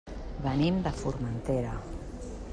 Venim de Formentera.